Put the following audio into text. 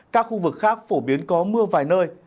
các khu vực khác phổ biến có mưa vài nơi